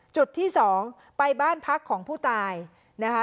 จุดที่๒ไปบ้านพักของผู้ตายนะคะ